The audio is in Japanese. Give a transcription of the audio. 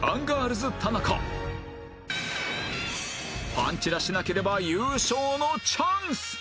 パンチラしなければ優勝のチャンス！